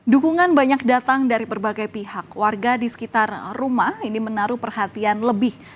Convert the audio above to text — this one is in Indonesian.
dukungan banyak datang dari berbagai pihak warga di sekitar rumah ini menaruh perhatian lebih